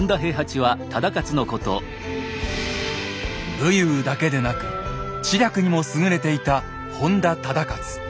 武勇だけでなく知略にも優れていた本多忠勝。